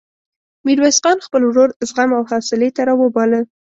ميرويس خان خپل ورور زغم او حوصلې ته راوباله.